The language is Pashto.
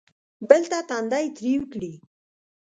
بل ته تندی تریو کړي.